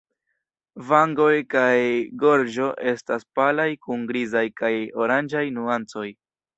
Vangoj kaj gorĝo estas palaj kun grizaj kaj oranĝaj nuancoj.